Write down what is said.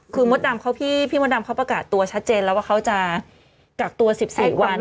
คือมดดำพี่มดดำเขาประกาศตัวชัดเจนแล้วว่าเขาจะกักตัว๑๔วัน